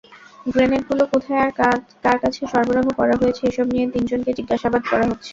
গ্রেনেডগুলো কোথায়, কার কাছে সরবরাহ করা হয়েছে—এসব নিয়ে তিনজনকে জিজ্ঞাসাবাদ করা হচ্ছে।